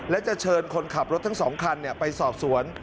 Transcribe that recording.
และจะเชิญคนขับรถทั้ง๒คันไปสอบสวน